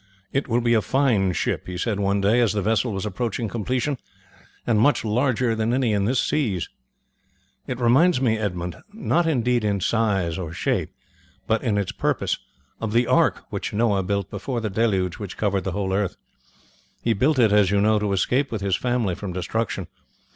"It will be a fine ship," he said one day as the vessel was approaching completion, "and much larger than any in these seas. It reminds me, Edmund, not indeed in size or shape, but in its purpose, of the ark which Noah built before the deluge which covered the whole earth. He built it, as you know, to escape with his family from destruction.